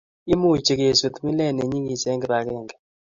imuchi kesut milet ne nyegis eng' kibagenge